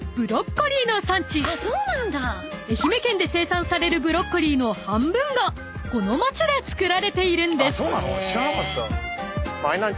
［愛媛県で生産されるブロッコリーの半分がこの町で作られているんです］